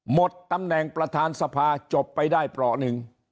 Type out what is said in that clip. หมดตำแหน่งประธานสภาจบไปได้เปราะหนึ่ง